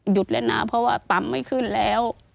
แล้วนะเพราะว่าปั๊มไม่ขึ้นแล้ว